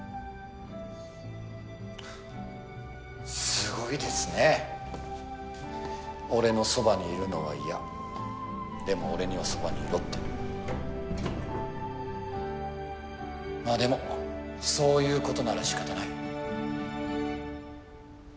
すごいですね俺のそばにいるのは嫌でも俺にはそばにいろってまぁでもそういうことならしかたない